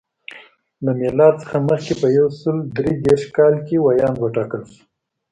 له میلاد څخه مخکې په یو سل درې دېرش کال کې ویاند وټاکل شو.